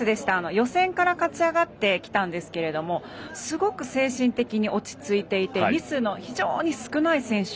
予選から勝ち上がってきたんですがすごく精神的に落ち着いていてミスが非常に少ない選手。